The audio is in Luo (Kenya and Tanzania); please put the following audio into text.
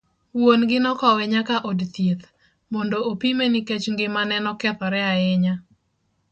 Wuon gi nokowe nyaka od thieth, mondo opime nikech ng'imane nokethore ahinya.